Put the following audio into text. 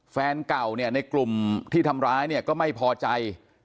แฟนเก่าเนี่ยในกลุ่มที่ทำร้ายเนี่ยก็ไม่พอใจ